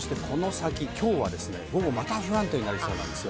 今日は午後、また不安定になりそうです。